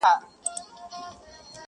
• چي غزل مي د پرهر ژبه ویله,